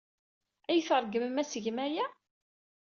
Ad iyi-tṛeggmem ad tgem aya?